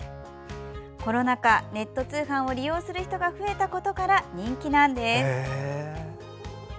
コロナ禍、ネット通販を利用する人が増えたことから人気なんです。